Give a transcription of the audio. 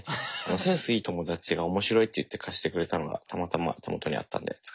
センスいい友達が面白いって言って貸してくれたのがたまたま手元にあったんで使っただけです。